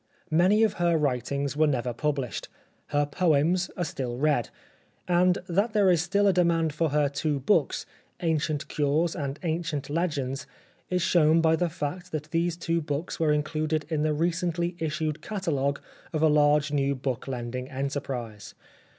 Many of her writings were never published. Her poems are still read ; and that there is still a demand for her two books, " Ancient Cures," and " Ancient Legends," is shown by the fact that these two books were included in the recently issued catalogue of a large new book lending enterprise.